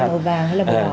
là vàng hay là màu đỏ